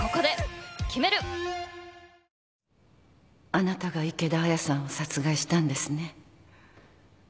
あなたが池田亜矢さんを殺害したんですね？